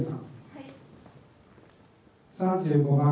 はい。